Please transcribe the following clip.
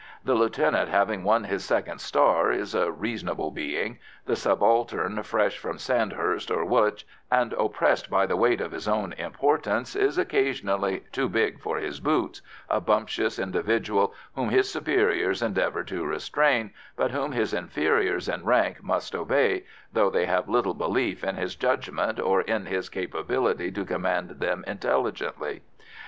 The lieutenant, having won his second star, is a reasonable being; the subaltern, fresh from Sandhurst or Woolwich, and oppressed by the weight of his own importance, is occasionally "too big for his boots," a bumptious individual whom his superiors endeavour to restrain, but whom his inferiors in rank must obey, though they have little belief in his judgment or in his capability to command them intelligently.